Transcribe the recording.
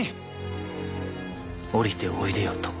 「“下りておいでよ”と」